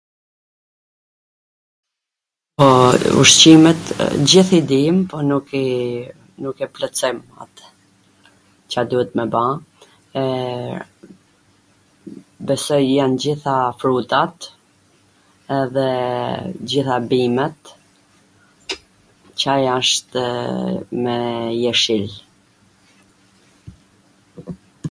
po, ushqimet t gjith i dim po nuk iii nuk e plotsojm atw Ca duhet me ba, eee, besoj jan t gjitha frutat edhe t gjitha bimwt Caja ashtw me jeshil